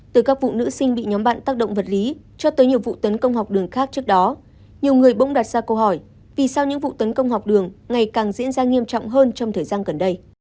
từ các phụ nữ sinh bị nhóm bạn tác động vật lý cho tới nhiều vụ tấn công học đường khác trước đó nhiều người bỗng đặt ra câu hỏi vì sau những vụ tấn công học đường ngày càng diễn ra nghiêm trọng hơn trong thời gian gần đây